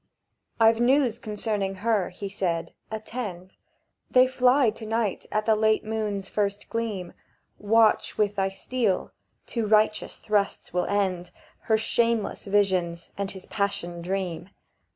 "I've news concerning her," he said. "Attend. They fly to night at the late moon's first gleam: Watch with thy steel: two righteous thrusts will end Her shameless visions and his passioned dream.